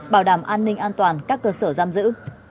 bảo đảm an ninh an toàn các cơ sở giam giữ